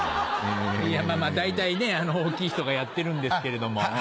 大体大きい人がやってるんですけれども。